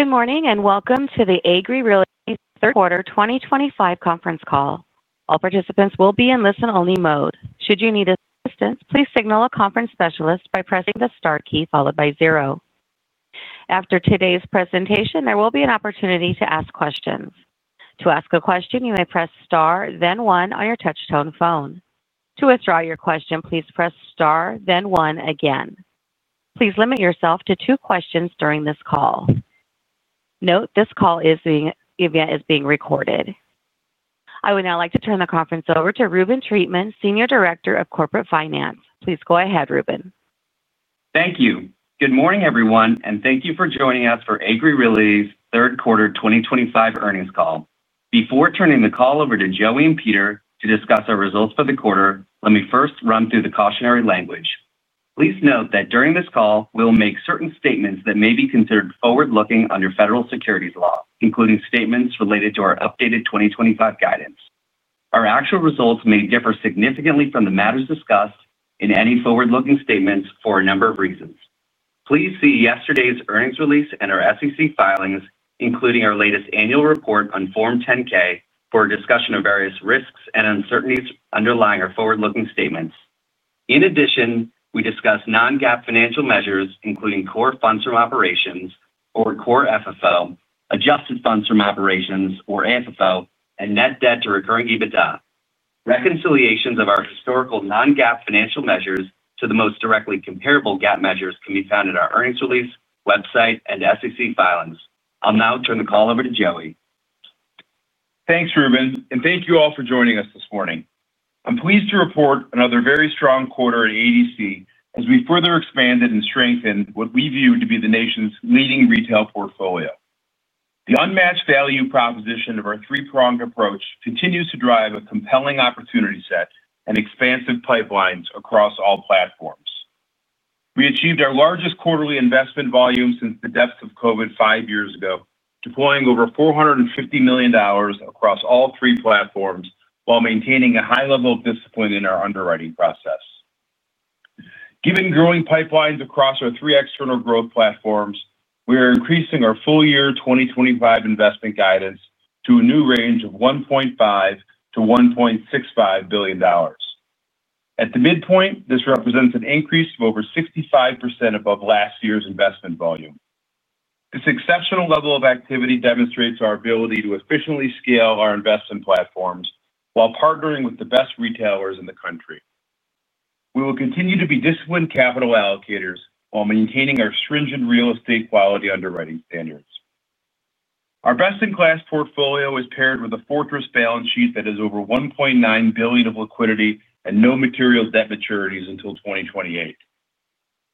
Good morning and welcome to Agree Realty's third quarter 2025 conference call. All participants will be in listen-only mode. Should you need assistance, please signal a conference specialist by pressing the star key followed by zero. After today's presentation, there will be an opportunity to ask questions. To ask a question, you may press star, then one on your touch-tone phone. To withdraw your question, please press, then one again. Please limit yourself to two questions during this call. Note this call is being recorded. I would now like to turn the conference over to Reuben Treatman, Senior Director of Corporate Finance. Please go ahead, Reuben. Thank you. Good morning, everyone, and thank you for joining us for Agree Realty's third quarter 2025 earnings call. Before turning the call over to Joey and Peter to discuss our results for the quarter, let me first run through the cautionary language. Please note that during this call, we'll make certain statements that may be considered forward-looking under federal securities law, including statements related to our updated 2025 guidance. Our actual results may differ significantly from the matters discussed in any forward-looking statements for a number of reasons. Please see yesterday's earnings release and our SEC filings, including our latest annual report on Form 10-K, for a discussion of various risks and uncertainties underlying our forward-looking statements. In addition, we discuss non-GAAP financial measures, including core funds from operations, or core FFO, adjusted funds from operations, or AFFO, and net debt to recurring EBITDA. Reconciliations of our historical non-GAAP financial measures to the most directly comparable GAAP measures can be found at our earnings release, website, and SEC filings. I'll now turn the call over to Joey. Thanks, Reuben, and thank you all for joining us this morning. I'm pleased to report another very strong quarter in Agree Realty Corporation as we further expanded and strengthened what we view to be the nation's leading retail portfolio. The unmatched value proposition of our three-pronged approach continues to drive a compelling opportunity set and expansive pipelines across all platforms. We achieved our largest quarterly investment volume since the depths of COVID five years ago, deploying over $450 million across all three platforms while maintaining a high level of discipline in our underwriting process. Given growing pipelines across our three external growth platforms, we are increasing our full-year 2025 investment guidance to a new range of $1.5-$1.65 billion. At the midpoint, this represents an increase of over 65% above last year's investment volume. This exceptional level of activity demonstrates our ability to efficiently scale our investment platforms while partnering with the best retailers in the country. We will continue to be disciplined capital allocators while maintaining our stringent real estate quality underwriting standards. Our best-in-class portfolio is paired with a fortress balance sheet that is over $1.9 billion of liquidity and no material debt maturities until 2028.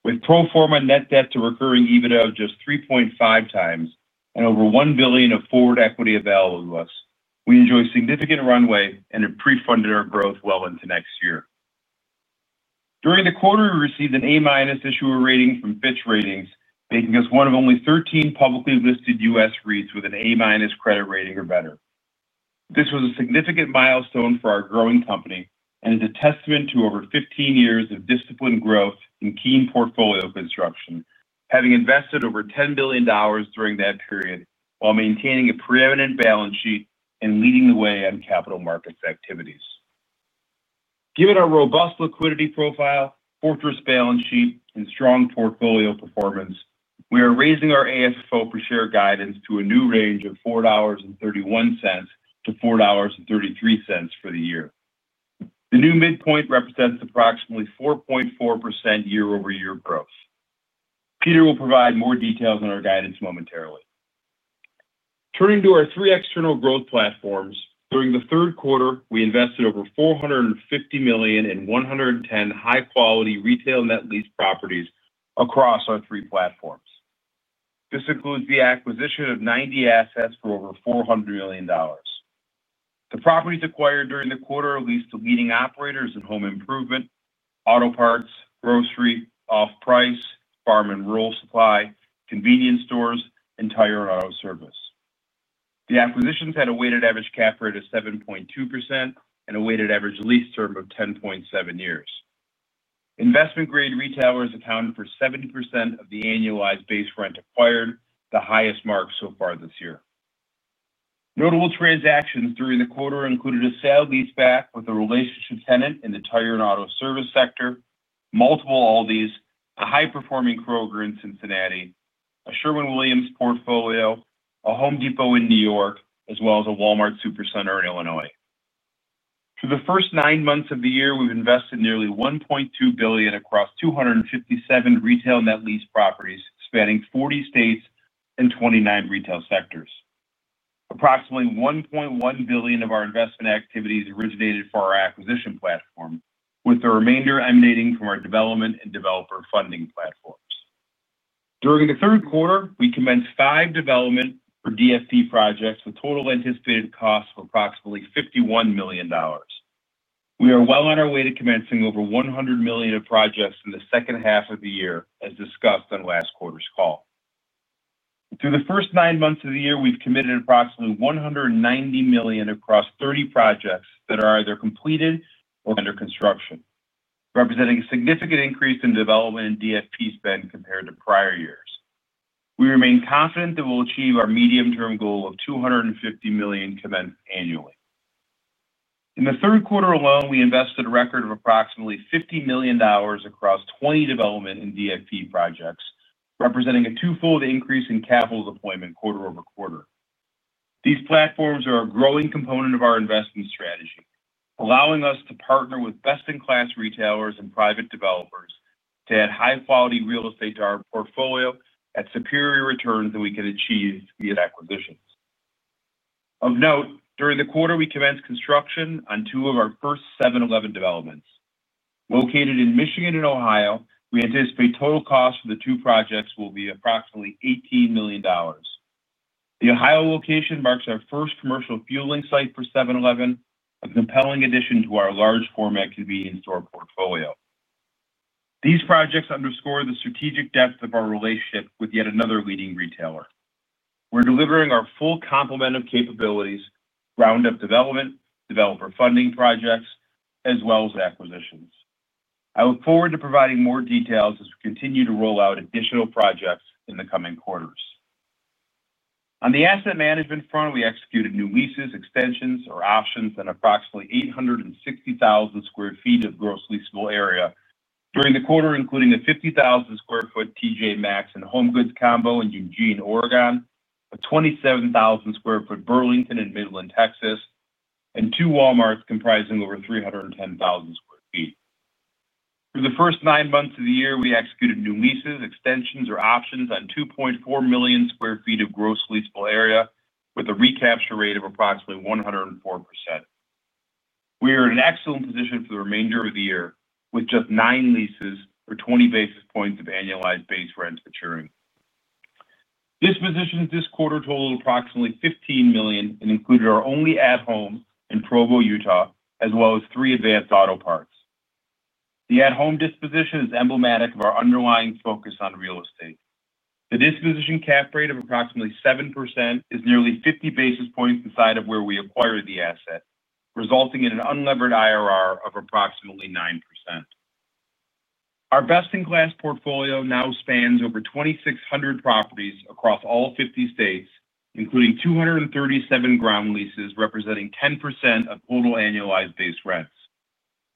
With pro forma net debt to recurring EBITDA of just 3.5x and over $1 billion of forward equity available to us, we enjoy significant runway and have pre-funded our growth well into next year. During the quarter, we received an A-minus issuer rating from Fitch Ratings, making us one of only 13 publicly listed U.S. REITs with an A-minus credit rating or better. This was a significant milestone for our growing company and is a testament to over 15 years of disciplined growth and keen portfolio construction, having invested over $10 billion during that period while maintaining a preeminent balance sheet and leading the way on capital markets activities. Given our robust liquidity profile, fortress balance sheet, and strong portfolio performance, we are raising our AFFO per share guidance to a new range of $4.31-$4.33 for the year. The new midpoint represents approximately 4.4% year-over-year growth. Peter will provide more details on our guidance momentarily. Turning to our three external growth platforms, during the third quarter, we invested over $450 million in 110 high-quality retail net lease properties across our three platforms. This includes the acquisition of 90 assets for over $400 million. The properties acquired during the quarter are leased to leading operators in home improvement, auto parts, grocery, off-price, farm and rural supply, convenience stores, and tire and auto service. The acquisitions had a weighted average cap rate of 7.2% and a weighted average lease term of 10.7 years. Investment-grade retailers accounted for 70% of the annualized base rent acquired, the highest mark so far this year. Notable transactions during the quarter included a sale-leaseback with a relationship tenant in the tire and auto service sector, multiple Aldi locations, a high-performing Kroger in Cincinnati, a Sherwin-Williams portfolio, a Home Depot in New York, as well as a Walmart Supercenter in Illinois. For the first nine months of the year, we've invested nearly $1.2 billion across 257 retail net lease properties spanning 40 states and 29 retail sectors. Approximately $1.1 billion of our investment activities originated for our acquisition platform, with the remainder emanating from our development and developer funding platforms. During the third quarter, we commenced five development or developer funding projects with total anticipated costs of approximately $51 million. We are well on our way to commencing over $100 million of projects in the second half of the year, as discussed on last quarter's call. Through the first nine months of the year, we've committed approximately $190 million across 30 projects that are either completed or under construction, representing a significant increase in development and developer funding spend compared to prior years. We remain confident that we'll achieve our medium-term goal of $250 million commenced annually. In the third quarter alone, we invested a record of approximately $50 million across 20 development and developer funding projects, representing a twofold increase in capital deployment quarter-over-quarter. These platforms are a growing component of our investment strategy, allowing us to partner with best-in-class retailers and private developers to add high-quality real estate to our portfolio at superior returns than we can achieve via acquisitions. Of note, during the quarter, we commenced construction on two of our first 7-Eleven developments. Located in Michigan and Ohio, we anticipate total costs for the two projects will be approximately $18 million. The Ohio location marks our first commercial fueling site for 7-Eleven, a compelling addition to our large format convenience store portfolio. These projects underscore the strategic depth of our relationship with yet another leading retailer. We're delivering our full complement of capabilities, ground-up development, developer funding projects, as well as acquisitions. I look forward to providing more details as we continue to roll out additional projects in the coming quarters. On the asset management front, we executed new leases, extensions, or options on approximately 860,000 square feet of gross leasable area during the quarter, including a 50,000 square foot TJX Companies and HomeGoods combo in Eugene, Oregon, a 27,000 square foot Burlington in Midland, Texas, and two Walmarts comprising over 310,000 square feet. For the first nine months of the year, we executed new leases, extensions, or options on 2.4 million square feet of gross leasable area with a recapture rate of approximately 104%. We are in an excellent position for the remainder of the year with just nine leases or 20 basis points of annualized base rent maturing. Dispositions this quarter totaled approximately $15 million and included our only At Home in Provo, Utah, as well as three AutoZone. The At Home disposition is emblematic of our underlying focus on real estate. The disposition cap rate of approximately 7% is nearly 50 basis points inside of where we acquired the asset, resulting in an unlevered IRR of approximately 9%. Our best-in-class portfolio now spans over 2,600 properties across all 50 states, including 237 ground leases, representing 10% of total annualized base rents.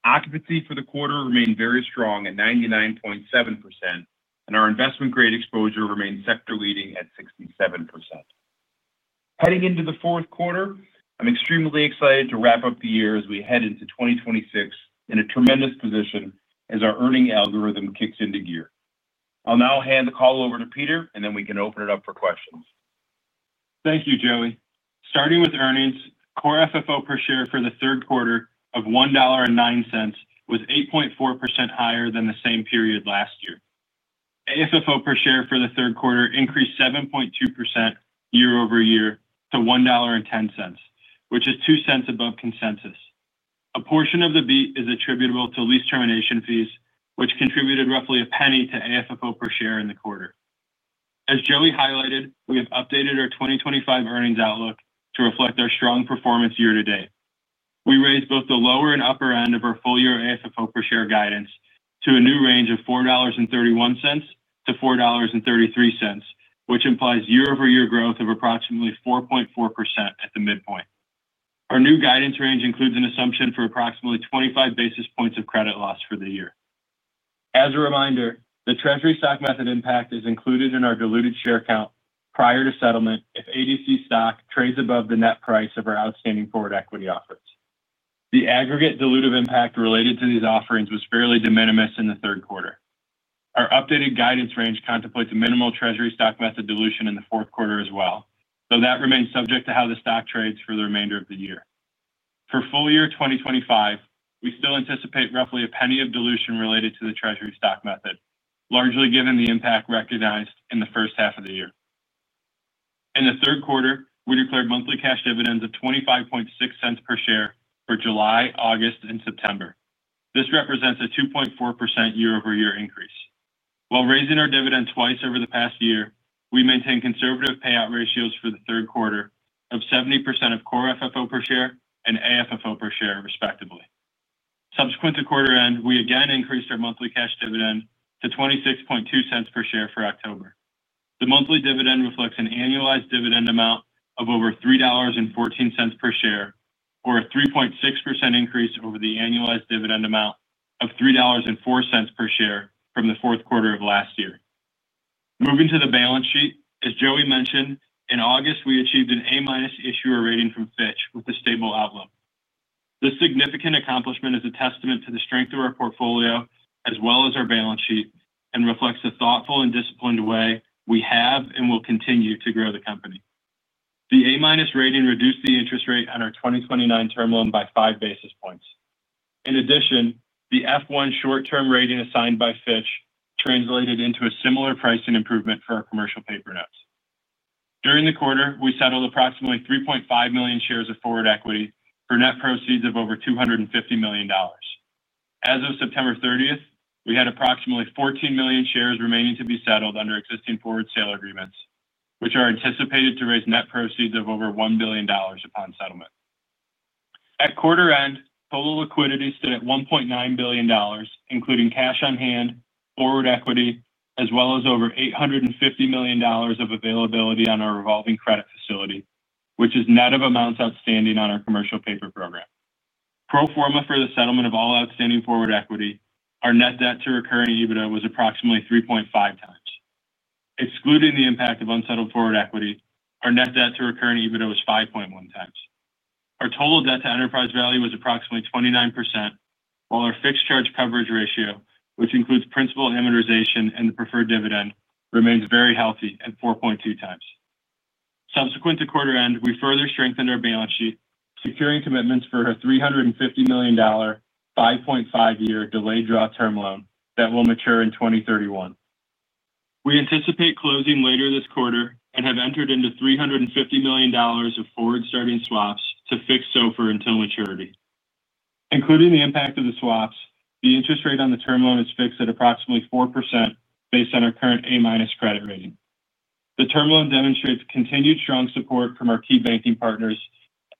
Occupancy for the quarter remained very strong at 99.7%, and our investment-grade exposure remains sector-leading at 67%. Heading into the fourth quarter, I'm extremely excited to wrap up the year as we head into 2026 in a tremendous position as our earning algorithm kicks into gear. I'll now hand the call over to Peter, and then we can open it up for questions. Thank you, Joey. Starting with earnings, core FFO per share for the third quarter of $1.09 was 8.4% higher than the same period last year. AFFO per share for the third quarter increased 7.2% year-over-year to $1.10, which is $0.02 above consensus. A portion of the beat is attributable to lease termination fees, which contributed roughly a penny to AFFO per share in the quarter. As Joey highlighted, we have updated our 2025 earnings outlook to reflect our strong performance year to date. We raised both the lower and upper end of our full-year AFFO per share guidance to a new range of $4.31-$4.33, which implies year-over-year growth of approximately 4.4% at the midpoint. Our new guidance range includes an assumption for approximately 25 basis points of credit loss for the year. As a reminder, the Treasury stock method impact is included in our diluted share count prior to settlement if Agree Realty stock trades above the net price of our outstanding forward equity offerings. The aggregate dilutive impact related to these offerings was fairly de minimis in the third quarter. Our updated guidance range contemplates a minimal Treasury stock method dilution in the fourth quarter as well, though that remains subject to how the stock trades for the remainder of the year. For full-year 2025, we still anticipate roughly a penny of dilution related to the Treasury stock method, largely given the impact recognized in the first half of the year. In the third quarter, we declared monthly cash dividends of $0.2506 per share for July, August, and September. This represents a 2.4% year-over-year increase. While raising our dividend twice over the past year, we maintain conservative payout ratios for the third quarter of 70% of core FFO per share and AFFO per share, respectively. Subsequent to quarter end, we again increased our monthly cash dividend to $0.2602 per share for October. The monthly dividend reflects an annualized dividend amount of over $3.14 per share, or a 3.6% increase over the annualized dividend amount of $3.04 per share from the fourth quarter of last year. Moving to the balance sheet, as Joey mentioned, in August, we achieved an A-minus issuer rating from Fitch Ratings with a stable outlook. This significant accomplishment is a testament to the strength of our portfolio, as well as our balance sheet, and reflects a thoughtful and disciplined way we have and will continue to grow the company. The A-minus rating reduced the interest rate on our 2029 term loan by five basis points. In addition, the F1 short-term rating assigned by Fitch translated into a similar pricing improvement for our commercial paper notes. During the quarter, we settled approximately 3.5 million shares of forward equity for net proceeds of over $250 million. As of September 30, we had approximately 14 million shares remaining to be settled under existing forward sale agreements, which are anticipated to raise net proceeds of over $1 billion upon settlement. At quarter end, total liquidity stood at $1.9 billion, including cash on hand, forward equity, as well as over $850 million of availability on our revolving credit facility, which is net of amounts outstanding on our commercial paper program. Pro forma for the settlement of all outstanding forward equity, our net debt to recurring EBITDA was approximately 3.5x. Excluding the impact of unsettled forward equity, our net debt to recurring EBITDA was 5.1x. Our total debt to enterprise value was approximately 29%, while our fixed charge coverage ratio, which includes principal amortization and the preferred dividend, remains very healthy at 4.2x. Subsequent to quarter end, we further strengthened our balance sheet, securing commitments for a $350 million 5.5-year delayed draw term loan that will mature in 2031. We anticipate closing later this quarter and have entered into $350 million of forward starting swaps to fix SOFR until maturity. Including the impact of the swaps, the interest rate on the term loan is fixed at approximately 4% based on our current A-minus credit rating. The term loan demonstrates continued strong support from our key banking partners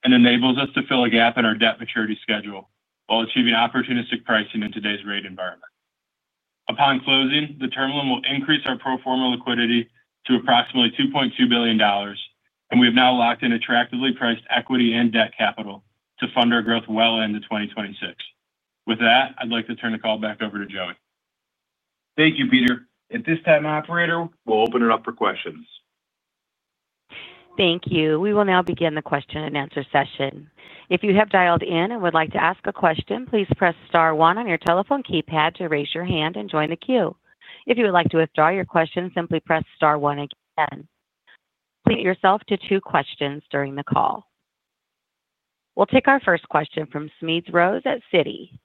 and enables us to fill a gap in our debt maturity schedule while achieving opportunistic pricing in today's rate environment. Upon closing, the term loan will increase our pro forma liquidity to approximately $2.2 billion, and we have now locked in attractively priced equity and debt capital to fund our growth well into 2026. With that, I'd like to turn the call back over to Joey. Thank you, Peter. At this time, operator, we'll open it up for questions. Thank you. We will now begin the question and answer session. If you have dialed in and would like to ask a question, please press star one on your telephone keypad to raise your hand and join the queue. If you would like to withdraw your question, simply press star one again. Please commit yourself to two questions during the call. We'll take our first question from Smedes Rose at Citi.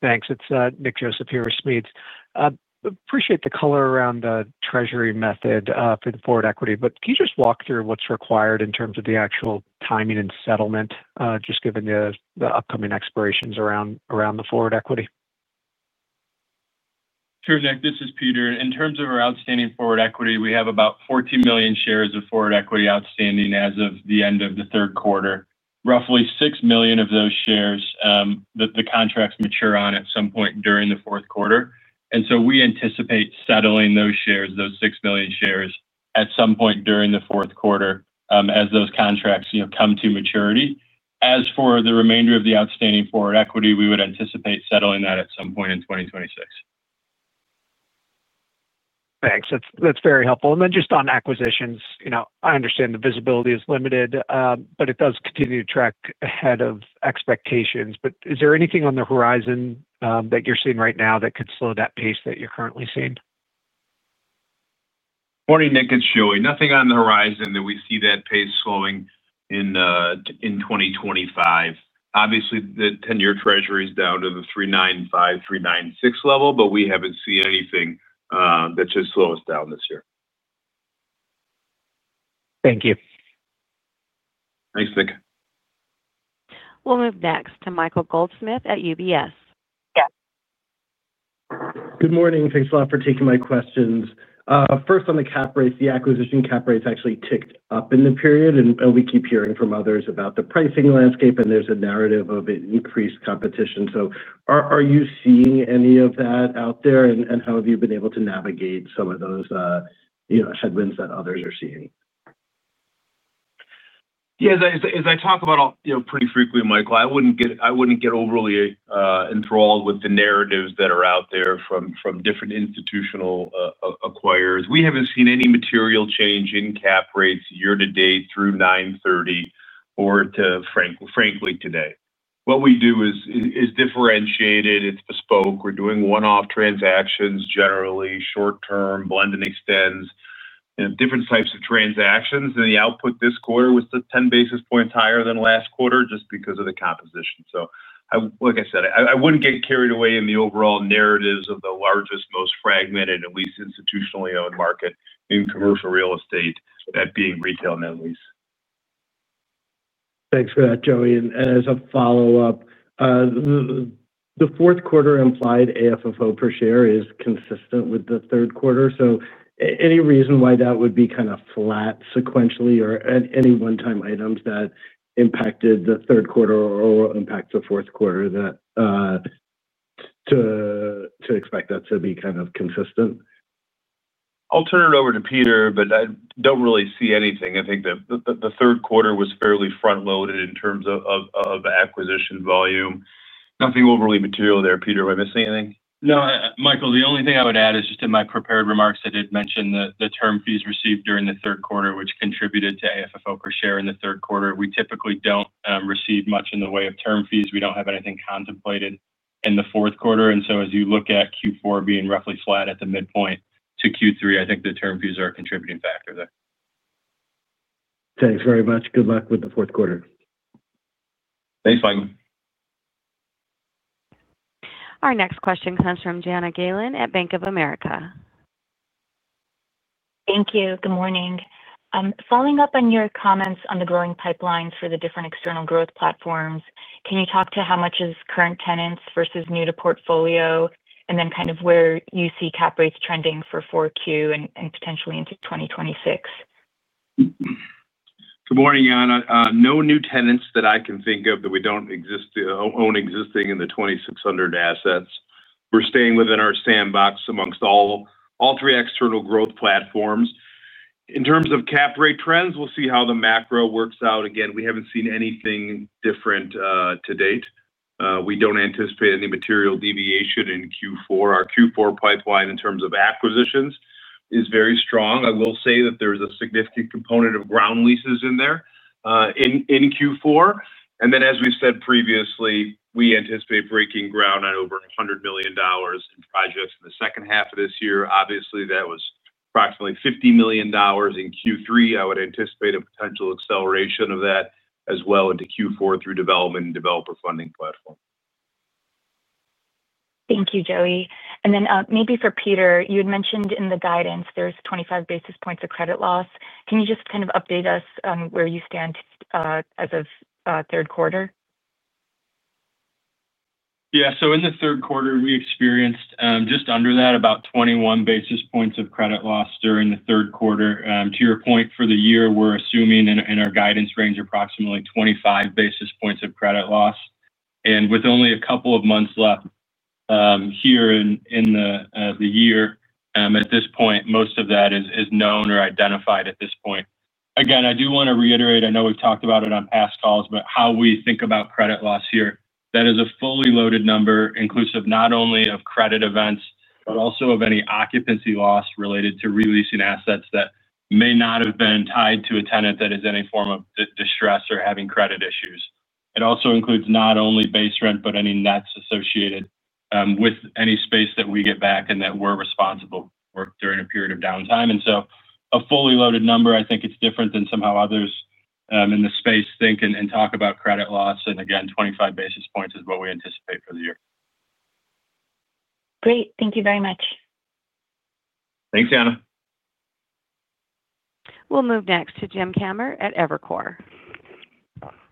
Thanks. It's Nick Joseph here with Smedes. Appreciate the color around the Treasury method for the forward equity, but can you just walk through what's required in terms of the actual timing and settlement, just given the upcoming expirations around the forward equity? Sure, Nick. This is Peter. In terms of our outstanding forward equity, we have about 14 million shares of forward equity outstanding as of the end of the third quarter. Roughly 6 million of those shares, the contracts mature on at some point during the fourth quarter. We anticipate settling those shares, those 6 million shares, at some point during the fourth quarter as those contracts come to maturity. As for the remainder of the outstanding forward equity, we would anticipate settling that at some point in 2026. Thanks. That's very helpful. Just on acquisitions, I understand the visibility is limited, but it does continue to track ahead of expectations. Is there anything on the horizon that you're seeing right now that could slow that pace that you're currently seeing? Morning, Nick. It's Joey. Nothing on the horizon that we see that pace slowing in 2025. Obviously, the 10-year Treasury is down to the 3.95-3.96 level, but we haven't seen anything that's just slow us down this year. Thank you. Thanks, Nick. We'll move next to Michael Goldsmith at UBS. Good morning. Thanks a lot for taking my questions. First, on the cap rates, the acquisition cap rates actually ticked up in the period, and we keep hearing from others about the pricing landscape, and there's a narrative of an increased competition. Are you seeing any of that out there, and how have you been able to navigate some of those headwinds that others are seeing? Yeah. As I talk about pretty frequently, Michael, I wouldn't get overly enthralled with the narratives that are out there from different institutional acquirers. We haven't seen any material change in cap rates year to date through 9/30 or, frankly, today. What we do is differentiated. It's bespoke. We're doing one-off transactions, generally short-term, blend and extends, and different types of transactions. The output this quarter was the 10 basis points higher than last quarter just because of the composition. Like I said, I wouldn't get carried away in the overall narratives of the largest, most fragmented and least institutionally owned market in commercial real estate, that being retail net lease. Thanks for that, Joey. As a follow-up, the fourth quarter implied AFFO per share is consistent with the third quarter. Is there any reason why that would be kind of flat sequentially, or any one-time items that impacted the third quarter or impact the fourth quarter that would cause that to be kind of consistent? I'll turn it over to Peter, but I don't really see anything. I think that the third quarter was fairly front-loaded in terms of acquisition volume. Nothing overly material there. Peter, am I missing anything? No, Michael, the only thing I would add is just in my prepared remarks, I did mention the term fees received during the third quarter, which contributed to AFFO per share in the third quarter. We typically don't receive much in the way of term fees. We don't have anything contemplated in the fourth quarter. As you look at Q4 being roughly flat at the midpoint to Q3, I think the term fees are a contributing factor there. Thanks very much. Good luck with the fourth quarter. Thanks, Michael. Our next question comes from Jana Galan at Bank of America. Thank you. Good morning. Following up on your comments on the growing pipelines for the different external growth platforms, can you talk to how much is current tenants versus new to portfolio, and then where you see cap rates trending for 4Q and potentially into 2026? Good morning, Jana. No new tenants that I can think of that we don't own existing in the 2,600 assets. We're staying within our sandbox amongst all three external growth platforms. In terms of cap rate trends, we'll see how the macro works out. Again, we haven't seen anything different to date. We don't anticipate any material deviation in Q4. Our Q4 pipeline in terms of acquisitions is very strong. I will say that there's a significant component of ground leases in there in Q4. As we've said previously, we anticipate breaking ground on over $100 million in projects in the second half of this year. Obviously, that was approximately $50 million in Q3. I would anticipate a potential acceleration of that as well into Q4 through development and developer funding platform. Thank you, Joey. Maybe for Peter, you had mentioned in the guidance there's 25 basis points of credit loss. Can you just kind of update us on where you stand as of third quarter? Yeah. In the third quarter, we experienced just under that, about 21 basis points of credit loss during the third quarter. To your point, for the year, we're assuming in our guidance range approximately 25 basis points of credit loss. With only a couple of months left here in the year, at this point, most of that is known or identified at this point. I do want to reiterate, I know we've talked about it on past calls, how we think about credit loss here. That is a fully loaded number, inclusive not only of credit events, but also of any occupancy loss related to releasing assets that may not have been tied to a tenant that is in any form of distress or having credit issues. It also includes not only base rent, but any nets associated with any space that we get back and that we're responsible for during a period of downtime. A fully loaded number, I think it's different than how others in the space think and talk about credit loss. Again, 25 basis points is what we anticipate for the year. Great, thank you very much. Thanks, Jana. We'll move next to James Kammert at Evercore.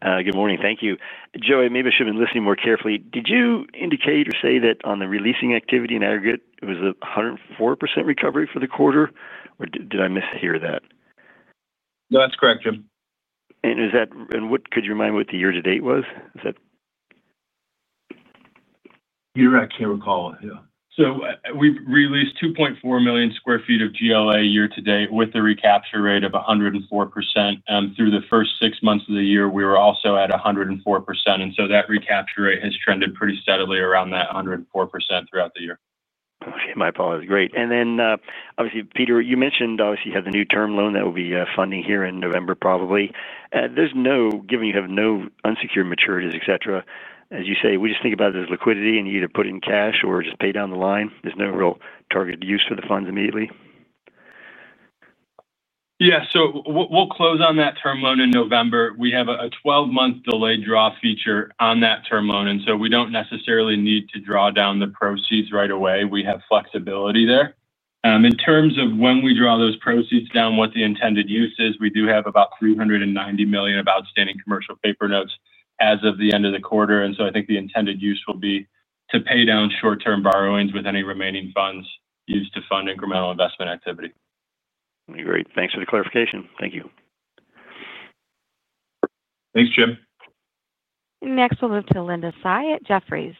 Good morning. Thank you. Joey, maybe I should have been listening more carefully. Did you indicate or say that on the releasing activity in aggregate, it was a 104% recovery for the quarter, or did I mishear that? No, that's correct, Jim. Could you remind me what the year-to-date was? Is that? Yeah. We've released 2.4 million square feet of GLA year to date with a recapture rate of 104%. Through the first six months of the year, we were also at 104%. That recapture rate has trended pretty steadily around that 104% throughout the year. Okay, my apologies. Great. Peter, you mentioned you have the new term loan that will be funding here in November, probably. There's no, given you have no unsecured maturities, etc., as you say, we just think about it as liquidity and you either put it in cash or just pay down the line. There's no real targeted use for the funds immediately. We'll close on that term loan in November. We have a 12-month delayed draw feature on that term loan, and we don't necessarily need to draw down the proceeds right away. We have flexibility there. In terms of when we draw those proceeds down, what the intended use is, we do have about $390 million of outstanding commercial paper notes as of the end of the quarter. I think the intended use will be to pay down short-term borrowings with any remaining funds used to fund incremental investment activity. Great. Thanks for the clarification. Thank you. Thanks, Jim. Next, we'll move to Linda Tsai at Jefferies.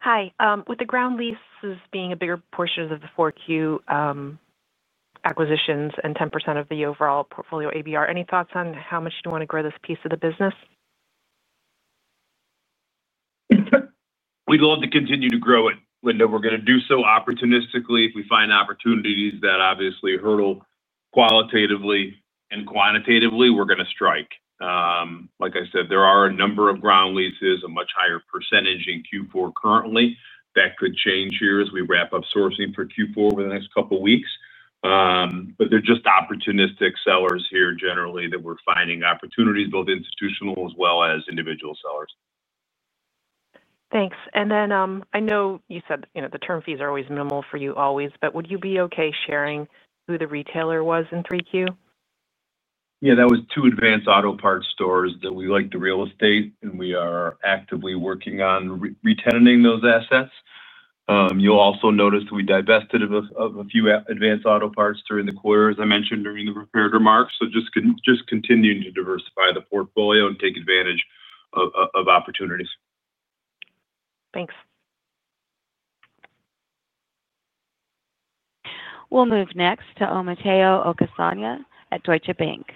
Hi. With the ground leases being a bigger portion of the 4Q acquisitions and 10% of the overall portfolio ABR, any thoughts on how much you'd want to grow this piece of the business? We'd love to continue to grow it. Linda, we're going to do so opportunistically. If we find opportunities that obviously hurdle qualitatively and quantitatively, we're going to strike. Like I said, there are a number of ground leases, a much higher percentage in Q4 currently. That could change here as we wrap up sourcing for Q4 over the next couple of weeks. There are just opportunistic sellers here generally that we're finding opportunities, both institutional as well as individual sellers. Thanks. I know you said the term fees are always minimal for you, always, but would you be okay sharing who the retailer was in 3Q? Yeah, that was two Advance Auto Parts stores that we like the real estate, and we are actively working on retending those assets. You'll also notice that we divested of a few Advance Auto Parts during the quarter, as I mentioned during the prepared remarks. Just continuing to diversify the portfolio and take advantage of opportunities. Thanks. We'll move next to Matteo Orsenigo at Deutsche Bank.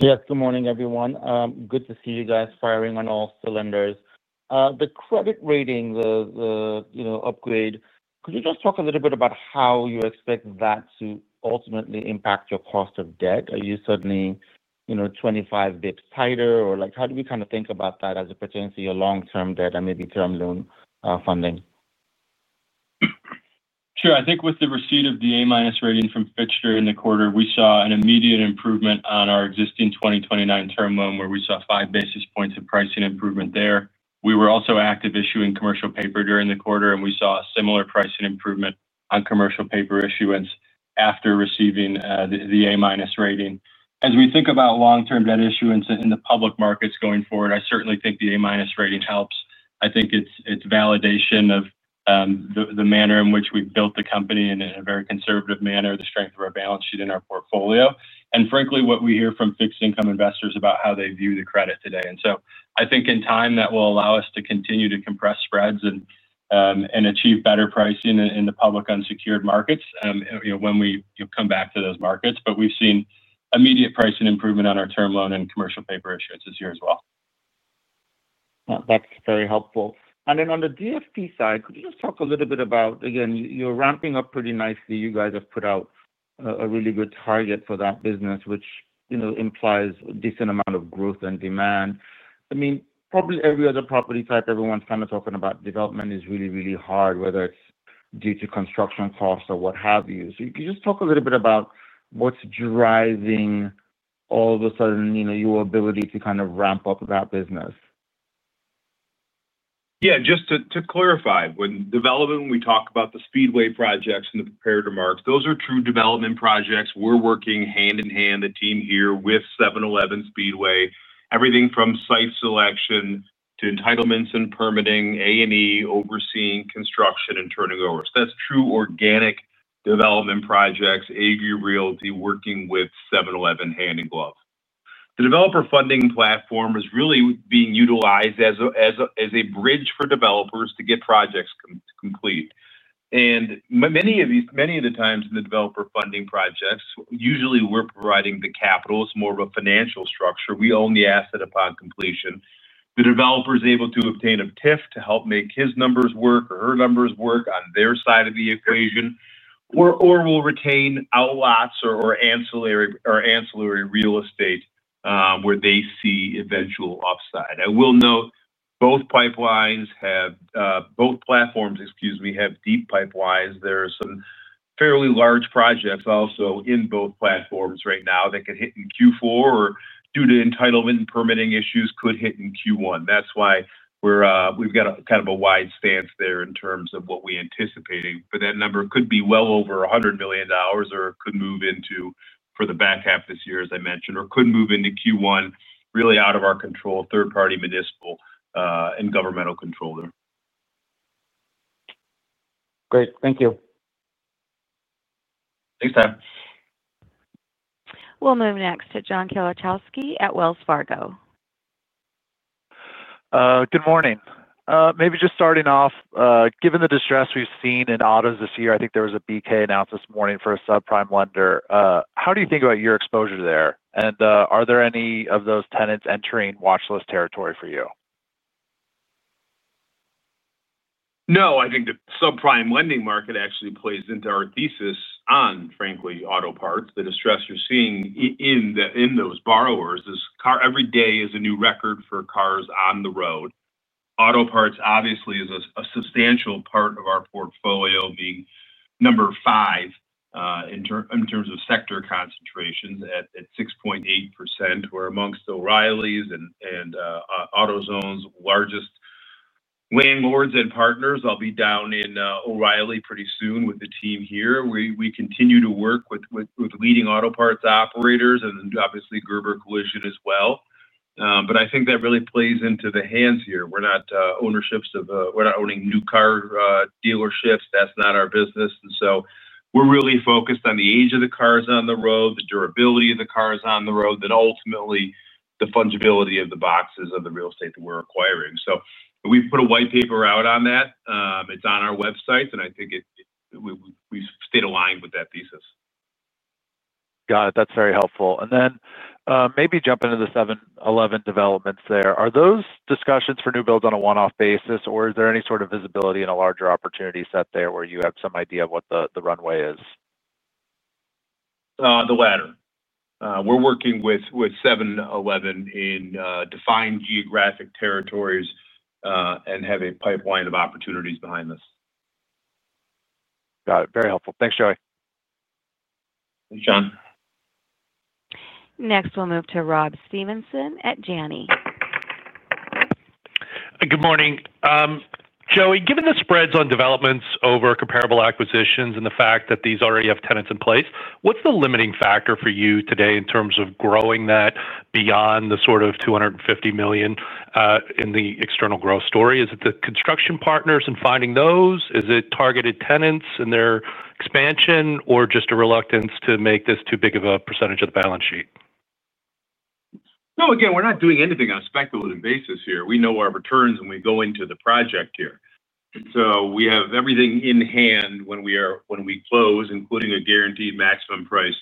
Yes. Good morning, everyone. Good to see you guys firing on all cylinders. The credit rating, the upgrade, could you just talk a little bit about how you expect that to ultimately impact your cost of debt? Are you certainly 25 bps tighter, or like how do we kind of think about that as it pertains to your long-term debt and maybe term loan funding? Sure. I think with the receipt of the A-minus rating from Fitch during the quarter, we saw an immediate improvement on our existing 2029 term loan, where we saw five basis points of pricing improvement there. We were also active issuing commercial paper during the quarter, and we saw a similar pricing improvement on commercial paper issuance after receiving the A-minus rating. As we think about long-term debt issuance in the public markets going forward, I certainly think the A-minus rating helps. I think it's validation of the manner in which we've built the company in a very conservative manner, the strength of our balance sheet in our portfolio, and frankly, what we hear from fixed-income investors about how they view the credit today. I think in time, that will allow us to continue to compress spreads and achieve better pricing in the public unsecured markets when we come back to those markets. We've seen immediate pricing improvement on our term loan and commercial paper issuance this year as well. That's very helpful. On the DFP side, could you just talk a little bit about, again, you're ramping up pretty nicely. You guys have put out a really good target for that business, which you know implies a decent amount of growth and demand. Probably every other property type everyone's kind of talking about development is really, really hard, whether it's due to construction costs or what have you. Could you just talk a little bit about what's driving all of a sudden your ability to kind of ramp up that business? Yeah. Just to clarify, when development, when we talk about the Speedway projects and the prepared remarks, those are true development projects. We're working hand in hand, the team here with 7-Eleven Speedway, everything from site selection to entitlements and permitting, A&E overseeing construction and turning over. That's true organic development projects, Agree Realty working with 7-Eleven hand in glove. The developer funding platform is really being utilized as a bridge for developers to get projects complete. Many of the times in the developer funding projects, usually we're providing the capital. It's more of a financial structure. We own the asset upon completion. The developer is able to obtain a TIF to help make his numbers work or her numbers work on their side of the equation, or we'll retain outlots or ancillary real estate where they see eventual upside. I will note both pipelines have, both platforms, excuse me, have deep pipelines. There are some fairly large projects also in both platforms right now that could hit in Q4 or due to entitlement and permitting issues could hit in Q1. That's why we've got a kind of a wide stance there in terms of what we anticipate. That number could be well over $100 million or it could move into for the back half this year, as I mentioned, or could move into Q1, really out of our control, third-party municipal and governmental control there. Great, thank you. Thanks, Matt. We'll move next to John Kilichowski at Wells Fargo. Good morning. Maybe just starting off, given the distress we've seen in autos this year, I think there was a BK announced this morning for a subprime lender. How do you think about your exposure there? Are there any of those tenants entering watchlist territory for you? No, I think the subprime lending market actually plays into our thesis on, frankly, auto parts, the distress you're seeing in those borrowers. Every day is a new record for cars on the road. Auto parts obviously is a substantial part of our portfolio, being number five in terms of sector concentrations at 6.8%. We're amongst O'Reilly's and AutoZone's largest landlords and partners. I'll be down in O'Reilly pretty soon with the team here. We continue to work with leading auto parts operators and obviously Gerber Collision as well. I think that really plays into the hands here. We're not ownerships of, we're not owning new car dealerships. That's not our business. We're really focused on the age of the cars on the road, the durability of the cars on the road, and ultimately the fungibility of the boxes of the real estate that we're acquiring. We've put a white paper out on that. It's on our website, and I think we've stayed aligned with that thesis. Got it. That's very helpful. Maybe jump into the 7-Eleven developments there. Are those discussions for new builds on a one-off basis, or is there any sort of visibility in a larger opportunity set there where you have some idea of what the runway is? The latter. We're working with 7-Eleven in defined geographic territories and have a pipeline of opportunities behind this. Got it. Very helpful. Thanks, Joey. Thanks, John. Next, we'll move to Rob Stevenson at Janney. Good morning. Joey, given the spreads on developments over comparable acquisitions and the fact that these already have tenants in place, what's the limiting factor for you today in terms of growing that beyond the sort of $250 million in the external growth story? Is it the construction partners and finding those? Is it targeted tenants and their expansion, or just a reluctance to make this too big of a percentage of the balance sheet? No. Again, we're not doing anything on a speculative basis here. We know our returns when we go into the project here, and we have everything in hand when we close, including a guaranteed maximum price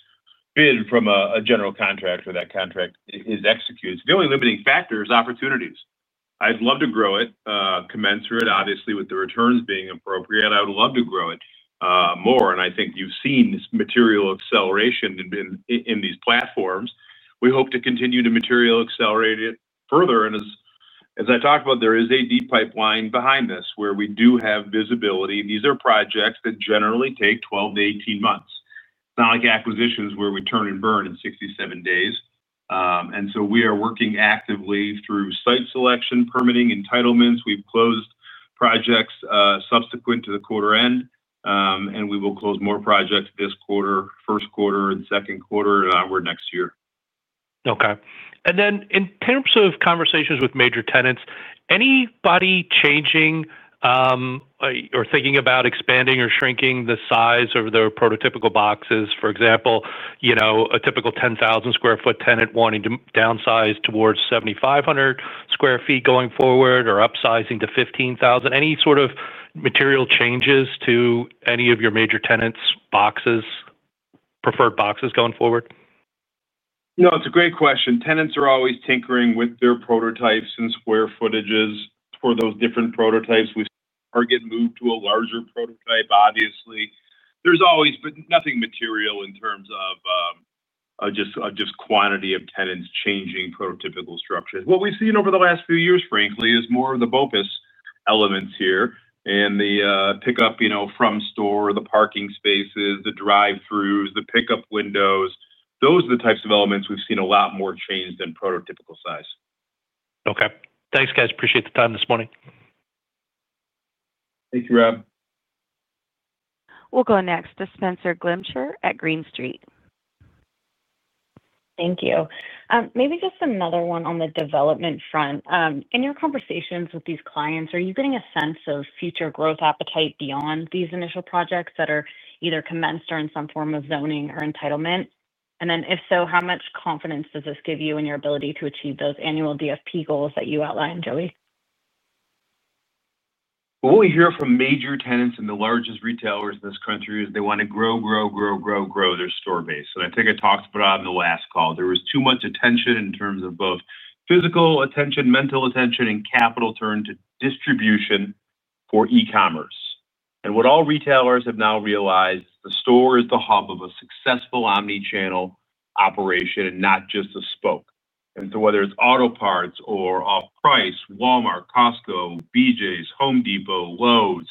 bid from a general contractor. That contract is executed. The only limiting factor is opportunities. I'd love to grow it, commensurate, obviously, with the returns being appropriate. I would love to grow it more. I think you've seen this material acceleration in these platforms. We hope to continue to materially accelerate it further. As I talked about, there is a deep pipeline behind this where we do have visibility. These are projects that generally take 12 to 18 months. It's not like acquisitions where we turn and burn in 67 days. We are working actively through site selection, permitting, entitlements. We've closed projects subsequent to the quarter end, and we will close more projects this quarter, first quarter, and second quarter in our next year. Okay. In terms of conversations with major tenants, anybody changing or thinking about expanding or shrinking the size of their prototypical boxes? For example, you know a typical 10,000 square foot tenant wanting to downsize towards 7,500 square feet going forward or upsizing to 15,000. Any sort of material changes to any of your major tenants' boxes, preferred boxes going forward? No. It's a great question. Tenants are always tinkering with their prototypes and square footages for those different prototypes. We are getting moved to a larger prototype, obviously. There's always, nothing material in terms of just quantity of tenants changing prototypical structures. What we've seen over the last few years, frankly, is more of the bonus elements here and the pickup, you know, from store, the parking spaces, the drive-throughs, the pickup windows. Those are the types of elements we've seen a lot more changed than prototypical size. Okay, thanks, guys. Appreciate the time this morning. Thank you, Rob. We'll go next to Spenser Glimcher at Green Street. Thank you. Maybe just another one on the development front. In your conversations with these clients, are you getting a sense of future growth appetite beyond these initial projects that are either commenced or in some form of zoning or entitlement? If so, how much confidence does this give you in your ability to achieve those annual DFP goals that you outlined, Joey? What we hear from major tenants and the largest retailers in this country is they want to grow, grow, grow, grow, grow their store base. I think I talked about it on the last call. There was too much attention in terms of both physical attention, mental attention, and capital turned to distribution for e-commerce. What all retailers have now realized is the store is the hub of a successful omnichannel operation and not just a spoke. Whether it's auto parts or off-price, Walmart, Costco, BJ's, Home Depot, Lowe's,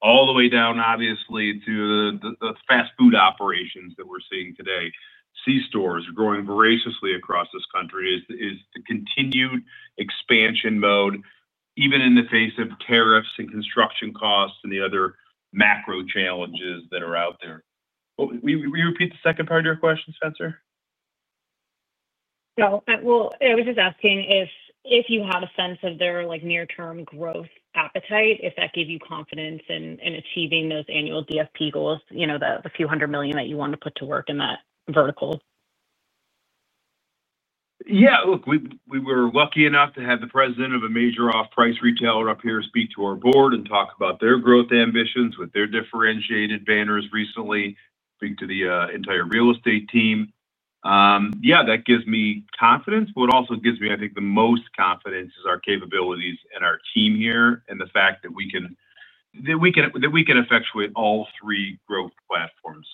all the way down, obviously, to the fast food operations that we're seeing today, c-stores are growing voraciously across this country. It's the continued expansion mode, even in the face of tariffs and construction costs and the other macro challenges that are out there. Could you repeat the second part of your question, Spenser? I was just asking if you had a sense of their near-term growth appetite, if that gave you confidence in achieving those annual DFP goals, you know, the few hundred million that you want to put to work in that vertical. Yeah. Look, we were lucky enough to have the President of a major off-price retailer up here speak to our board and talk about their growth ambitions with their differentiated banners recently, speak to the entire real estate team. Yeah, that gives me confidence. What also gives me, I think, the most confidence is our capabilities and our team here and the fact that we can effectuate all three growth platforms.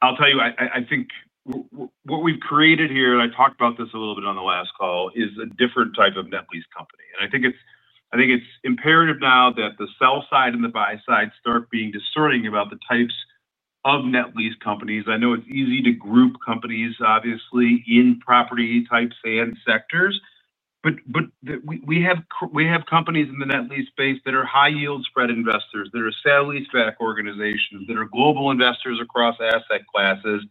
I'll tell you, I think what we've created here, and I talked about this a little bit on the last call, is a different type of net lease company. I think it's imperative now that the sell side and the buy side start being discerning about the types of net lease companies. I know it's easy to group companies, obviously, in property types and sectors. We have companies in the net lease space that are high-yield spread investors, that are sale-leaseback organizations, that are global investors across asset classes.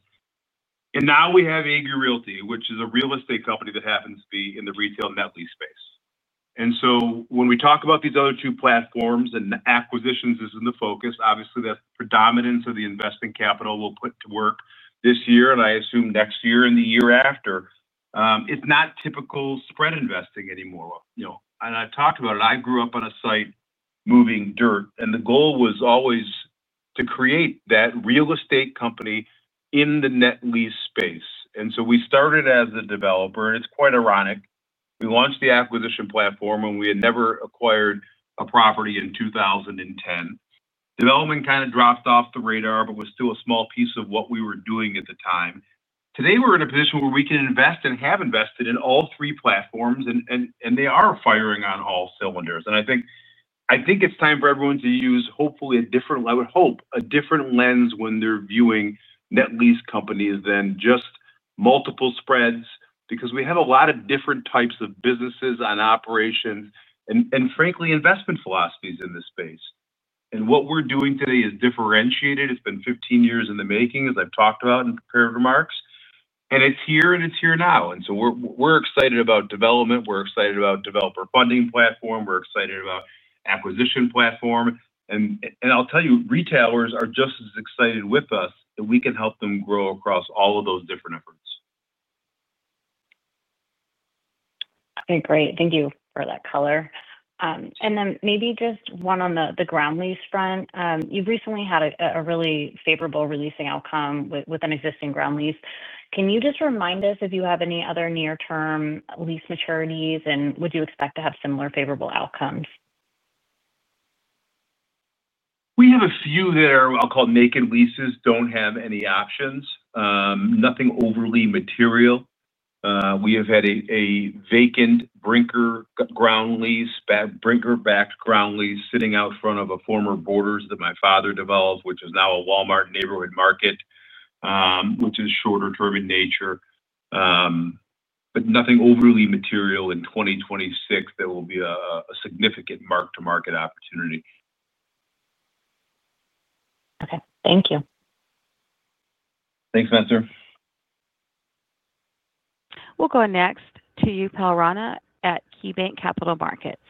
Now we have Agree Realty, which is a real estate company that happens to be in the retail net lease space. When we talk about these other two platforms and acquisitions is in the focus, obviously, that's the predominance of the investment capital we'll put to work this year, and I assume next year and the year after. It's not typical spread investing anymore. I talked about it. I grew up on a site moving dirt, and the goal was always to create that real estate company in the net lease space. We started as a developer, and it's quite ironic. We launched the acquisition platform, and we had never acquired a property in 2010. Development kind of dropped off the radar, but was still a small piece of what we were doing at the time. Today, we're in a position where we can invest and have invested in all three platforms, and they are firing on all cylinders. I think it's time for everyone to use, hopefully, a different, I would hope, a different lens when they're viewing net lease companies than just multiple spreads because we have a lot of different types of businesses on operations and, frankly, investment philosophies in this space. What we're doing today is differentiated. It's been 15 years in the making, as I've talked about in prepared remarks. It's here, and it's here now. We're excited about development. We're excited about developer funding platform. We're excited about acquisition platform. I'll tell you, retailers are just as excited with us that we can help them grow across all of those different efforts. Okay. Great. Thank you for that color. Maybe just one on the ground lease front. You've recently had a really favorable releasing outcome with an existing ground lease. Can you just remind us if you have any other near-term lease maturities, and would you expect to have similar favorable outcomes? We have a few that are, I'll call, naked leases, don't have any options. Nothing overly material. We have had a vacant Brinker ground lease, Brinker-backed ground lease sitting out in front of a former Borders that my father developed, which is now a Walmart Neighborhood Market, which is shorter-term in nature. Nothing overly material in 2026 that will be a significant mark-to-market opportunity. Okay, thank you. Thanks, Spencer. We'll go next to Upal Rana at KeyBanc Capital Markets.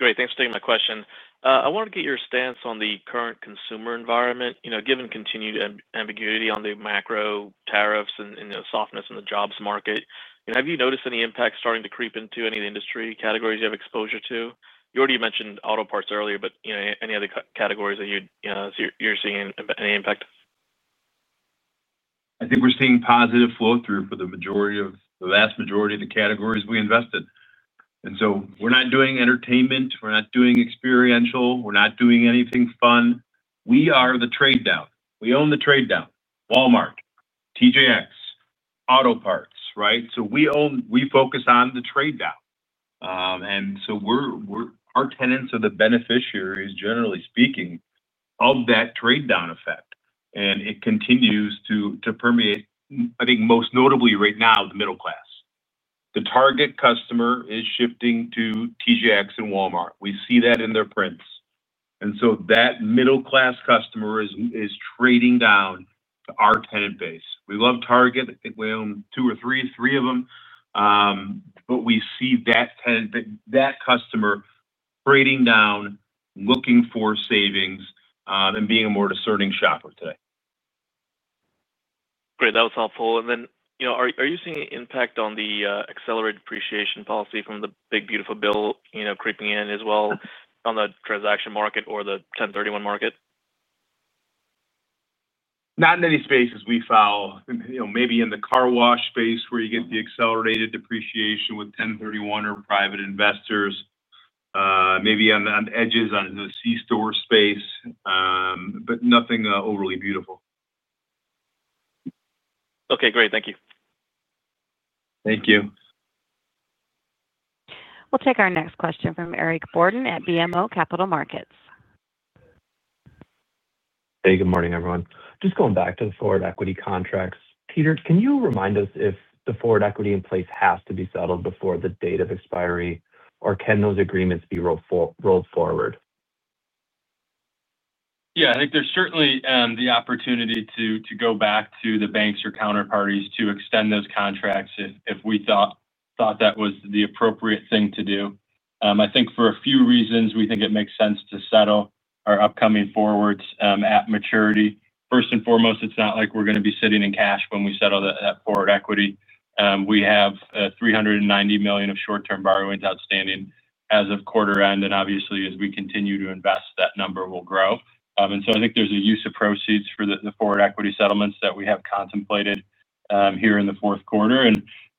Great. Thanks for taking my question. I wanted to get your stance on the current consumer environment. Given continued ambiguity on the macro tariffs and the softness in the jobs market, have you noticed any impacts starting to creep into any of the industry categories you have exposure to? You already mentioned auto parts earlier, but any other categories that you're seeing any impact? I think we're seeing positive flow-through for the vast majority of the categories we invest in. We're not doing entertainment. We're not doing experiential. We're not doing anything fun. We are the trade down. We own the trade down: Walmart, TJX Companies, auto parts, right? We own, we focus on the trade down. Our tenants are the beneficiaries, generally speaking, of that trade down effect. It continues to permeate, I think most notably right now, the middle class. The Target customer is shifting to TJX Companies and Walmart. We see that in their prints. That middle-class customer is trading down to our tenant base. We love Target. I think we own two or three of them. We see that customer trading down, looking for savings, and being a more discerning shopper today. Great. That was helpful. Are you seeing an impact on the accelerated depreciation policy from the Big Beautiful Bill creeping in as well on the transaction market or the 1031 market? Not in any spaces we follow. Maybe in the car wash space where you get the accelerated depreciation with 1031 or private investors, maybe on the edges on the C-store space, but nothing overly beautiful. Okay. Great. Thank you. Thank you. We'll take our next question from Eric Borden at BMO Capital Markets. Hey, good morning, everyone. Just going back to the forward equity contracts. Peter, can you remind us if the forward equity in place has to be settled before the date of expiry, or can those agreements be rolled forward? Yeah. I think there's certainly the opportunity to go back to the banks or counterparties to extend those contracts if we thought that was the appropriate thing to do. I think for a few reasons, we think it makes sense to settle our upcoming forwards at maturity. First and foremost, it's not like we're going to be sitting in cash when we settle that forward equity. We have $390 million of short-term borrowings outstanding as of quarter end. Obviously, as we continue to invest, that number will grow. I think there's a use of proceeds for the forward equity settlements that we have contemplated here in the fourth quarter.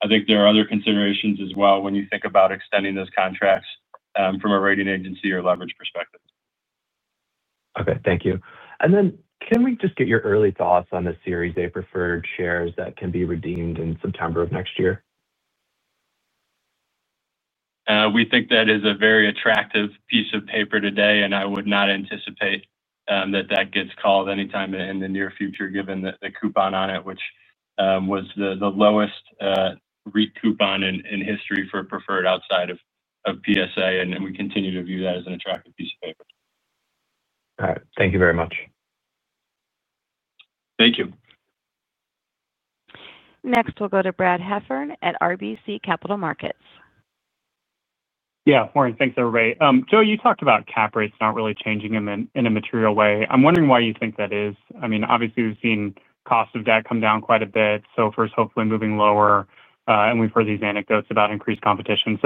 I think there are other considerations as well when you think about extending those contracts from a rating agency or leverage perspective. Thank you. Can we just get your early thoughts on the Series A preferred shares that can be redeemed in September of next year? We think that is a very attractive piece of paper today, and I would not anticipate that that gets called anytime in the near future, given the coupon on it, which was the lowest recoupon in history for a preferred outside of PSA. We continue to view that as an attractive piece of paper. All right, thank you very much. Thank you. Next, we'll go to Brad Heffern at RBC Capital Markets. Yeah. Morning. Thanks, everybody. Joey, you talked about cap rates not really changing them in a material way. I'm wondering why you think that is. I mean, obviously, we've seen costs of debt come down quite a bit. First, hopefully, moving lower. We've heard these anecdotes about increased competition.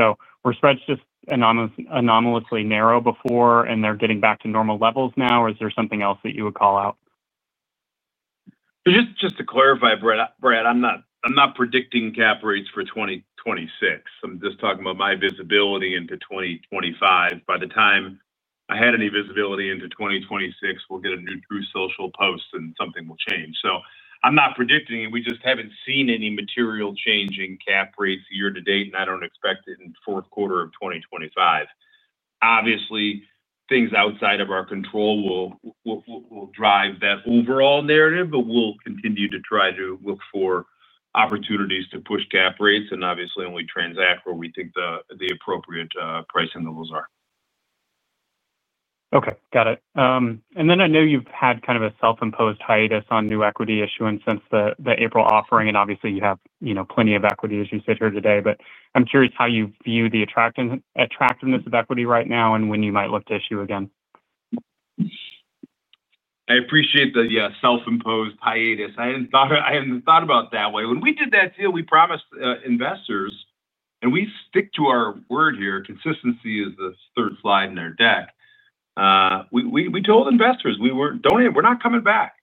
Were spreads just anomalously narrow before, and they're getting back to normal levels now, or is there something else that you would call out? Just to clarify, Brad, I'm not predicting cap rates for 2026. I'm just talking about my visibility into 2025. By the time I had any visibility into 2026, we'll get a new true social post and something will change. I'm not predicting it. We just haven't seen any material change in cap rates year to date, and I don't expect it in the fourth quarter of 2025. Obviously, things outside of our control will drive that overall narrative, but we'll continue to try to look for opportunities to push cap rates and obviously only transact where we think the appropriate pricing levels are. Okay. Got it. I know you've had kind of a self-imposed hiatus on new equity issuance since the April offering. Obviously, you have plenty of equity as you sit here today. I'm curious how you view the attractiveness of equity right now and when you might look to issue again. I appreciate the self-imposed hiatus. I hadn't thought about it that way. When we did that deal, we promised investors, and we stick to our word here. Consistency is the third slide in their deck. We told investors, "We weren't donating. We're not coming back."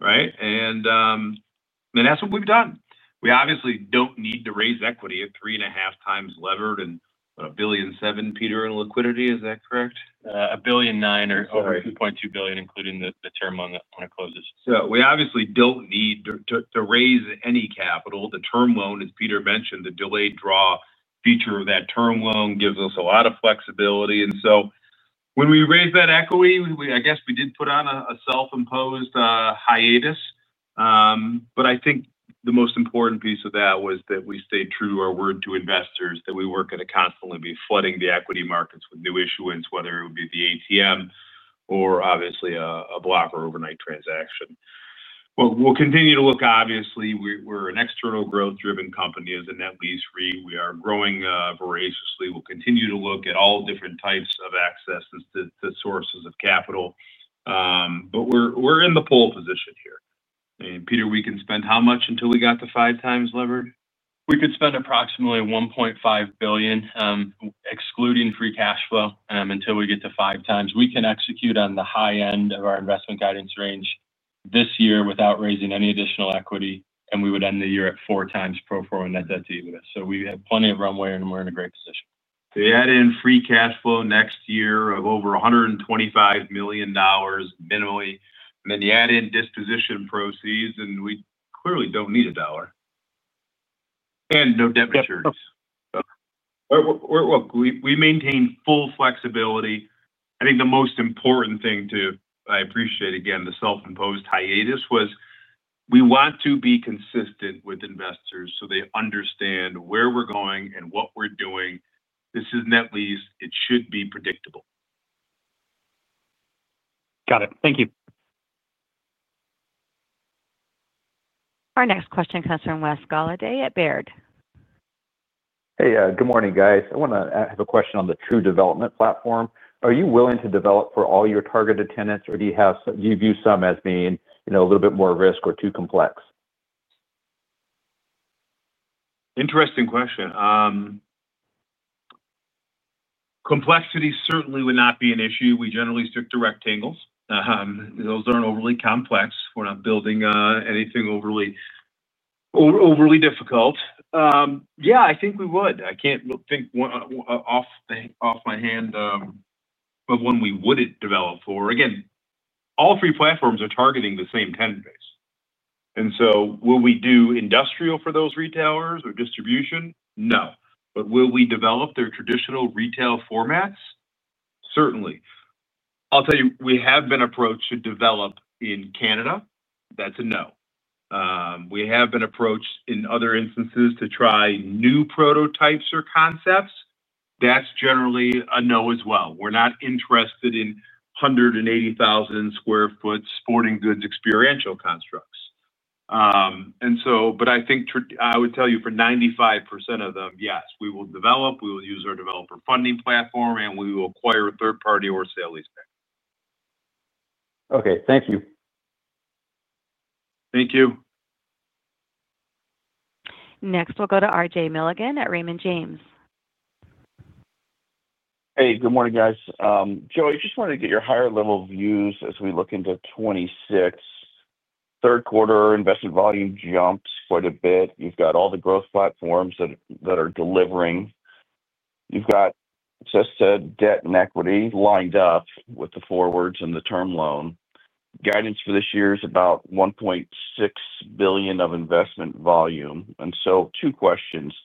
Right? That is what we've done. We obviously don't need to raise equity at 3.5x levered and $1.7 billion, Peter, in liquidity. Is that correct? A billion nine or over $2.2 billion, including the term loan that want to close this. We obviously don't need to raise any capital. The term loan, as Peter mentioned, the delayed draw feature of that term loan gives us a lot of flexibility. When we raised that equity, I guess we did put on a self-imposed hiatus. I think the most important piece of that was that we stayed true to our word to investors, that we weren't going to constantly be flooding the equity markets with new issuance, whether it would be the ATM or a block or overnight transaction. We'll continue to look, we're an external growth-driven company as a net lease REIT. We are growing voraciously. We'll continue to look at all different types of accesses to sources of capital. We're in the pole position here. Peter, we can spend how much until we got to five times levered? We could spend approximately $1.5 billion, excluding free cash flow, until we get to five times. We can execute on the high end of our investment guidance range this year without raising any additional equity, and we would end the year at four times pro forma net debt to EBITDA. We have plenty of runway, and we're in a great position. You add in free cash flow next year of over $125 million minimally, and then you add in disposition proceeds, and we clearly don't need a dollar. No debt maturity. We maintain full flexibility. I think the most important thing to appreciate, again, the self-imposed hiatus was we want to be consistent with investors so they understand where we're going and what we're doing. This is net lease. It should be predictable. Got it. Thank you. Our next question comes from Wes Golladay at Baird. Hey, good morning, guys. I want to have a question on the true development platform. Are you willing to develop for all your targeted tenants, or do you view some as being a little bit more risk or too complex? Interesting question. Complexity certainly would not be an issue. We generally stick to rectangles. Those aren't overly complex. We're not building anything overly difficult. Yeah, I think we would. I can't think off my hand of when we wouldn't develop for. All three platforms are targeting the same tenant base. Will we do industrial for those retailers or distribution? No. Will we develop their traditional retail formats? Certainly. I'll tell you, we have been approached to develop in Canada. That's a no. We have been approached in other instances to try new prototypes or concepts. That's generally a no as well. We're not interested in 180,000 square foot sporting goods experiential constructs. I think I would tell you for 95% of them, yes, we will develop. We will use our developer funding platform, and we will acquire a third party or sale these things. Okay, thank you. Thank you. Next, we'll go to RJ Milligan at Raymond James. Hey, good morning, guys. Joey, I just wanted to get your higher-level views as we look into 2026. Third quarter, investment volume jumped quite a bit. You've got all the growth platforms that are delivering. You've got, as I said, debt and equity lined up with the forwards and the term loan. Guidance for this year is about $1.6 billion of investment volume. Two questions.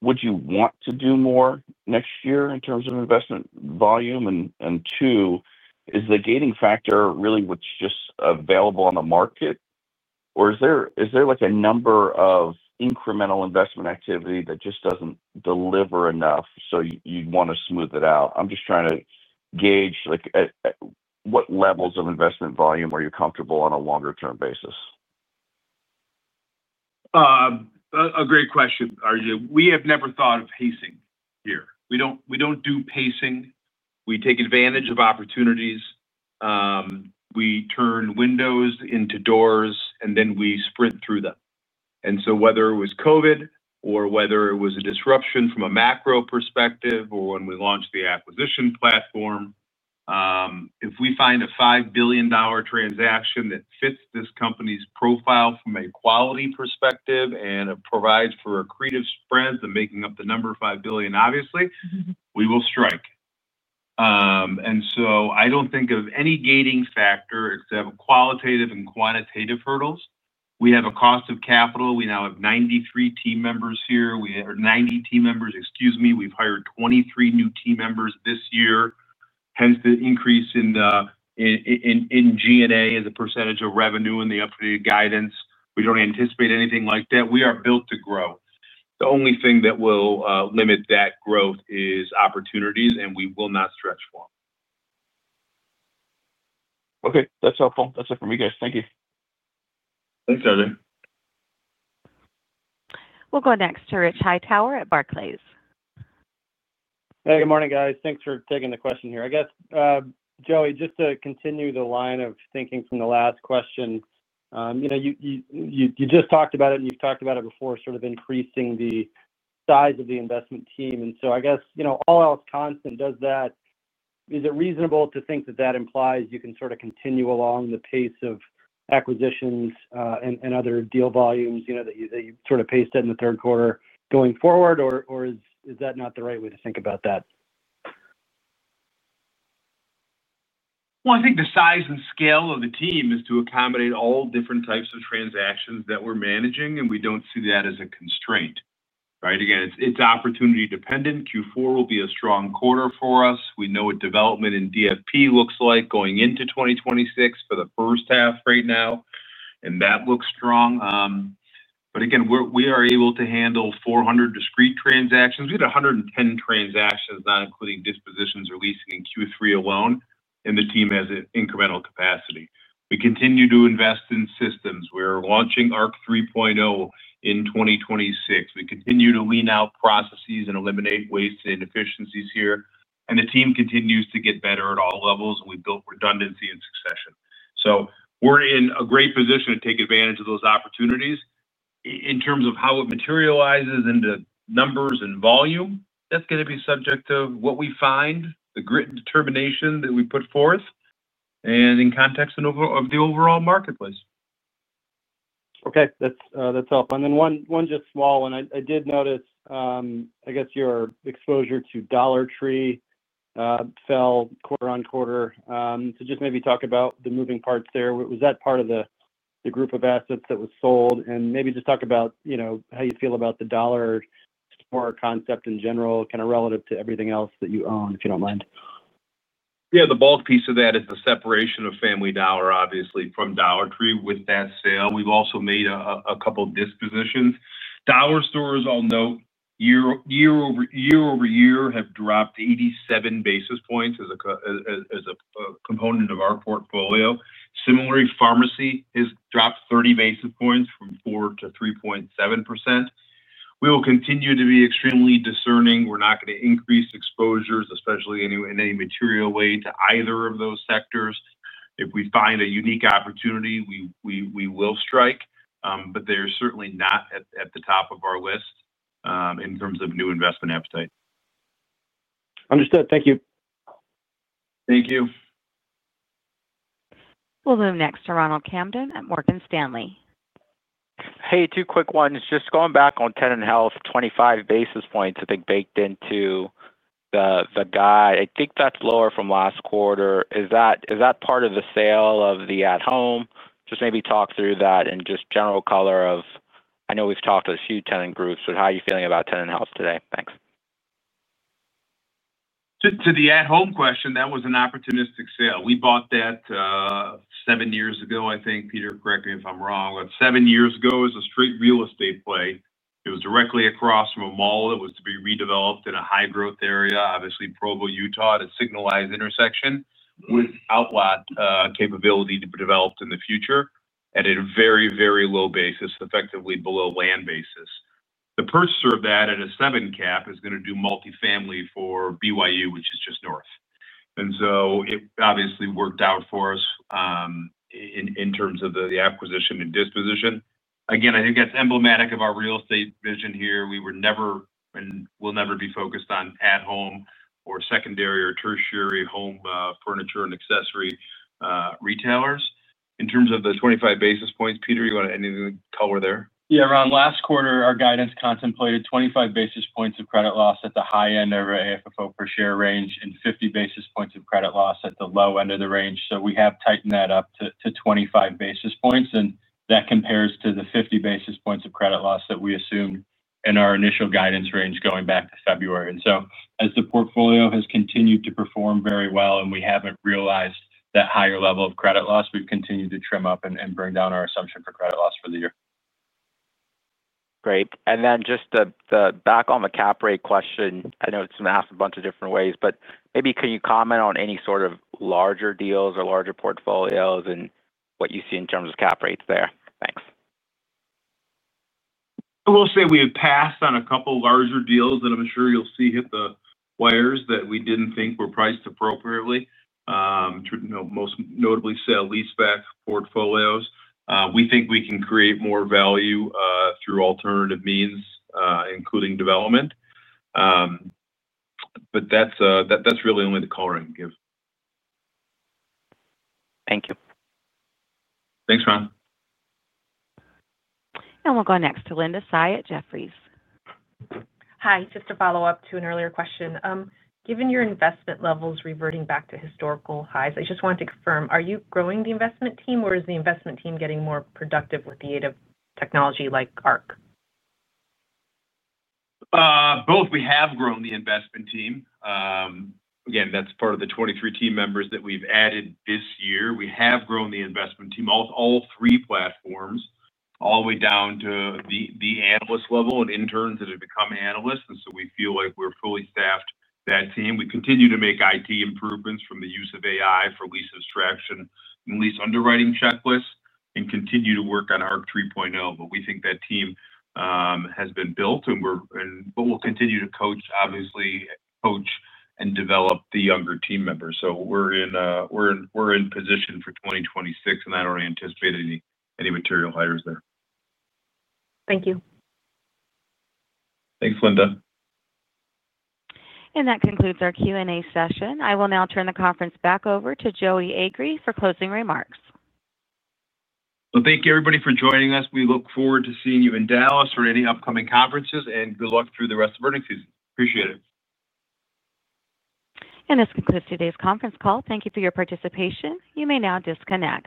Would you want to do more next year in terms of investment volume? Is the gating factor really what's just available on the market, or is there like a number of incremental investment activity that just doesn't deliver enough so you'd want to smooth it out? I'm just trying to gauge at what levels of investment volume are you comfortable on a longer-term basis? A great question, RJ. We have never thought of pacing here. We don't do pacing. We take advantage of opportunities. We turn windows into doors, and then we sprint through them. Whether it was COVID or whether it was a disruption from a macro perspective or when we launched the acquisition platform, if we find a $5 billion transaction that fits this company's profile from a quality perspective and provides for our creative spreads and making up the number of $5 billion, obviously, we will strike. I don't think of any gating factor except qualitative and quantitative hurdles. We have a cost of capital. We now have 93 team members here. We are 90 team members. Excuse me. We've hired 23 new team members this year, hence the increase in G&A as a percentage of revenue in the updated guidance. We don't anticipate anything like that. We are built to grow. The only thing that will limit that growth is opportunities, and we will not stretch for them. Okay, that's helpful. That's it from me, guys. Thank you. Thanks, RJ. Next, we'll go to Rich Hightower at Barclays. Hey, good morning, guys. Thanks for taking the question here. I guess, Joey, just to continue the line of thinking from the last question, you just talked about it, and you've talked about it before, sort of increasing the size of the investment team. I guess, all else constant, is it reasonable to think that that implies you can sort of continue along the pace of acquisitions and other deal volumes that you sort of paced in the third quarter going forward, or is that not the right way to think about that? I think the size and scale of the team is to accommodate all different types of transactions that we're managing, and we don't see that as a constraint, right? Again, it's opportunity dependent. Q4 will be a strong quarter for us. We know what development in DFP looks like going into 2026 for the first half right now, and that looks strong. Again, we are able to handle 400 discrete transactions. We had 110 transactions, not including dispositions or leasing in Q3 alone, and the team has incremental capacity. We continue to invest in systems. We're launching ARC 3.0 in 2026. We continue to lean out processes and eliminate wasted efficiencies here, and the team continues to get better at all levels. We built redundancy in succession. We're in a great position to take advantage of those opportunities. In terms of how it materializes into numbers and volume, that's going to be subject to what we find, the grit and determination that we put forth, and in context of the overall marketplace. Okay. That's helpful. One just small one. I did notice, I guess, your exposure to Dollar Tree fell quarter on quarter. Just maybe talk about the moving parts there. Was that part of the group of assets that was sold? Maybe just talk about, you know, how you feel about the Dollar Store concept in general, kind of relative to everything else that you own, if you don't mind. Yeah. The bulk piece of that is the separation of Family Dollar, obviously, from Dollar Tree with that sale. We've also made a couple of dispositions. Dollar Store, as all note, year-over-year, year-over-year have dropped 87 basis points as a component of our portfolio. Similarly, Pharmacy has dropped 30 basis points from 4%-3.7%. We will continue to be extremely discerning. We're not going to increase exposures, especially in any material way, to either of those sectors. If we find a unique opportunity, we will strike. They're certainly not at the top of our list in terms of new investment appetite. Understood. Thank you. Thank you. We'll move next to Ronald Kamdem at Morgan Stanley. Hey, two quick ones. Just going back on tenant health, 25 basis points, I think, baked into the guide. I think that's lower from last quarter. Is that part of the sale of the at-home? Just maybe talk through that and just general color of I know we've talked to a few tenant groups, but how are you feeling about tenant health today? Thanks. To the at-home question, that was an opportunistic sale. We bought that seven years ago, I think. Peter, correct me if I'm wrong. Seven years ago, it was a straight real estate play. It was directly across from a mall that was to be redeveloped in a high-growth area, obviously, Provo, Utah, at a signalized intersection with outlot capability to be developed in the future at a very, very low basis, effectively below land basis. The purchaser of that at a 7% cap is going to do multifamily for BYU, which is just north. It obviously worked out for us in terms of the acquisition and disposition. I think that's emblematic of our real estate vision here. We were never and will never be focused on at-home or secondary or tertiary home furniture and accessory retailers. In terms of the 25 basis points, Peter, you want to add anything color there? Yeah, Ron. Last quarter, our guidance contemplated 25 basis points of credit loss at the high end over AFFO per share range and 50 basis points of credit loss at the low end of the range. We have tightened that up to 25 basis points. That compares to the 50 basis points of credit loss that we assumed in our initial guidance range going back to February. As the portfolio has continued to perform very well and we haven't realized that higher level of credit loss, we've continued to trim up and bring down our assumption for credit loss for the year. Great. Just back on the cap rate question, I know it's going to be asked a bunch of different ways, but maybe can you comment on any sort of larger deals or larger portfolios and what you see in terms of cap rates there? Thanks. I will say we have passed on a couple of larger deals that I'm sure you'll see hit the wires that we didn't think were priced appropriately. Most notably, sale-leaseback portfolios. We think we can create more value through alternative means, including development. That's really only the color I can give. Thank you. Thanks, Ron. We'll go next to Linda Tsai at Jefferies. Hi. Just a follow-up to an earlier question. Given your investment levels reverting back to historical highs, I just wanted to confirm, are you growing the investment team, or is the investment team getting more productive with the aid of technology like ARC? Both. We have grown the investment team. Again, that's part of the 23 team members that we've added this year. We have grown the investment team off all three platforms, all the way down to the analyst level and interns that have become analysts. We feel like we're fully staffed that team. We continue to make IT improvements from the use of AI for lease abstraction and lease underwriting checklists, and continue to work on ARC 3.0. We think that team has been built and we'll continue to coach, obviously, coach and develop the younger team members. We're in position for 2026, and I don't anticipate any material hires there. Thank you. Thanks, Linda. That concludes our Q&A session. I will now turn the conference back over to Joey Agree for closing remarks. Thank you, everybody, for joining us. We look forward to seeing you in Dallas or at any upcoming conferences, and good luck through the rest of the earning season. Appreciate it. This concludes today's conference call. Thank you for your participation. You may now disconnect.